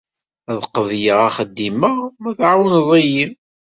Ad qebleɣ axeddim-a ma tɛawneḍ-iyi.